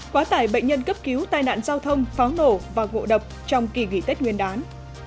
quá tải bệnh nhân cấp cứu tai nạn giao thông pháo nổ và ngộ độc trong kỳ nghỉ tết nguyên đán